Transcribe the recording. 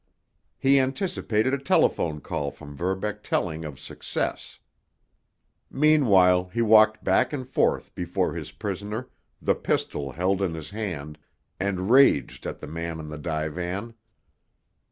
He anticipated a telephone call from Verbeck telling of success. Meanwhile he walked back and forth before his prisoner, the pistol held in his hand, and raged at the man on the divan.